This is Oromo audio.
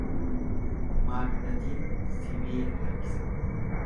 Maagnatiin sibiila harkisa.